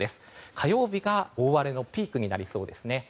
火曜日が大荒れのピークになりそうですね。